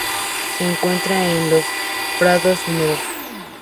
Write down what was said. Se encuentra en los prados húmedos.